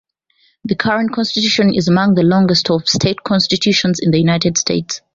The current constitution is among the longest of state constitutions in the United States.